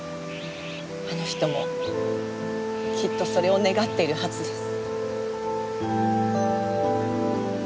あの人もきっとそれを願っているはずです。